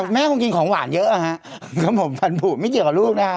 แม่คงกินของหวานเยอะฟันผูนไม่เกี่ยวกับลูก